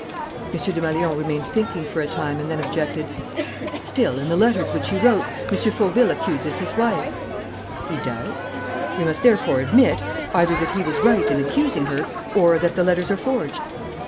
M. Desmalions remained thinking for a time and then objected: "Still, in the letters which he wrote, M. Fauville accuses his wife." "He does." "We must therefore admit either that he was right in accusing her or that the letters are forged?"